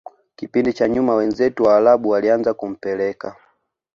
kipindi cha nyuma wenzetu waarabu walianza kumpeleka